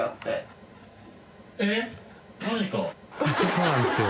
そうなんですよ。